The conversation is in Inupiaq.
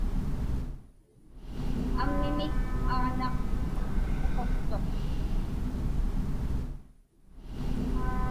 Amimik aġnaq miquqtuq.